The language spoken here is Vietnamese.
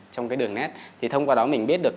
trong cái đường nét thì thông qua đó mình biết được